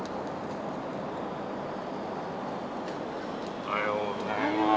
おはようございます。